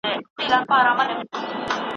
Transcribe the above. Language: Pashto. دا دوه عددونه دي.